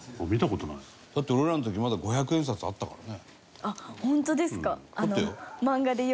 だって俺らの時まだ五百円札あったからね。